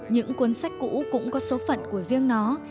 những cuốn sách cũ cũng có số phận của riêng nó